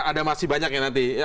ada masih banyak ya nanti